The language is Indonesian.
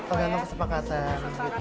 tergantung kesepakatan gitu